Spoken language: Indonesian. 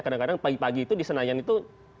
kadang kadang pagi pagi itu di senayan itu